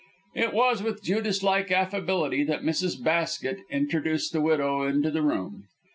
It was with Judas like affability that Mrs. Basket introduced the widow into the room.